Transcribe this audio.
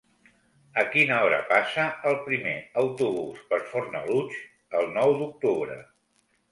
A quina hora passa el primer autobús per Fornalutx el nou d'octubre?